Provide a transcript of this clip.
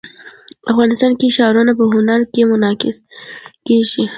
افغانستان کې ښارونه په هنر کې منعکس کېږي.